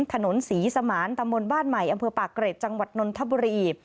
ถนนศรีสมานตำบลบ้านใหม่อำเภอปากเกร็ดจังหวัดนนทบุรี